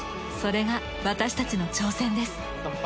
それが私たちの挑戦です。